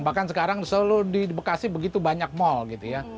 bahkan sekarang selalu di bekasi begitu banyak mall gitu ya